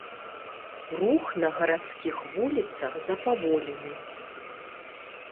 Рух на гарадскіх вуліцах запаволены.